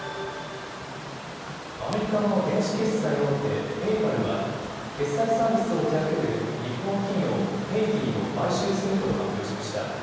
アメリカの電子決済大手、ペイパルは、決済サービスを手がける日本企業、ペイディを買収すると発表しました。